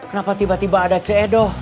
kenapa tiba tiba ada cedoh